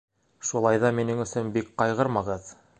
Шулай ҙа минең өсөн бик ҡайғырмағыҙ.